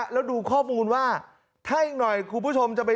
แล้วดูข้อมูลว่าถ้าอีกหน่อยคุณผู้ชมจะไป